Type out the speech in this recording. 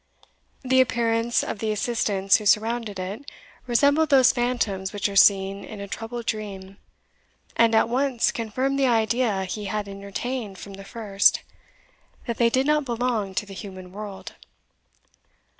The appearance, of the assistants who surrounded it resembled those phantoms which are seen in a troubled dream, and at once confirmed the idea he had entertained from the first, that they did not belong to the human world.